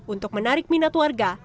untuk menarik minat warga